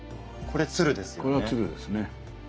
これは鶴ですね。